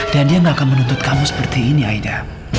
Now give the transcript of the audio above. dan dia nggak akan menuntut kamu seperti ini aida